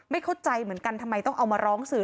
เข้าใจเหมือนกันทำไมต้องเอามาร้องสื่อ